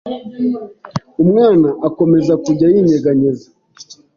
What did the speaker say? Umwana akomeza kujya yinyeganyeza